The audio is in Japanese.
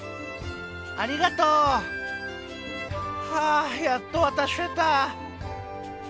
ありがとう！はあやっとわたせた。